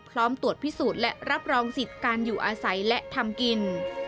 พร้อมตรวจพิสูจน์และรับรองสิทธิ์การอยู่อาศัยและทำกิน